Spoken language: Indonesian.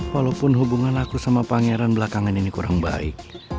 walaupun hubungan aku sama pangeran belakangan ini kurang baik